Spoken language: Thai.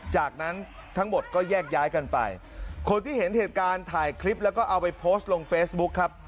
จากนั้นทั้งหมดก็แยกย้ายกันไปคนที่เห็นเหตุการณ์ถ่ายคลิปแล้วก็เอาไปโพสต์ลงเฟซบุ๊คครับ